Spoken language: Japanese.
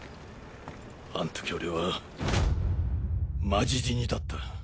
あんとき俺はマジ死にだった。